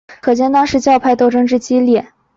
可见当时教派斗争之激烈。